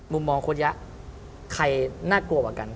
มุมมองโค้ชยะใครน่ากลัวกว่ากัน